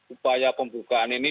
upaya pembukaan ini